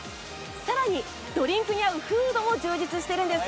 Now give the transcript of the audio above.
更に、ドリンクに合うフードも充実しているんです。